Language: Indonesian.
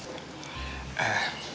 aku pulangnya sendiri aja